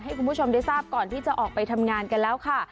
ให้คุณผู้ชมได้ทราบก่อนที่จะออกไปทำงานกันแล้วค่ะ